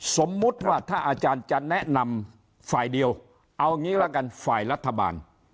สมมุติว่าถ้าอาจารย์จะแนะนำฝ่ายเดียวเอางี้ละกันฝ่ายรัฐบาล